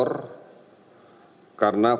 karena ventilatornya tidak berhasil